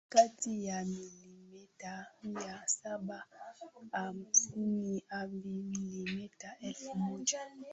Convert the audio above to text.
kati ya milimeta mia saba hamsini hadi milimeta elfu moja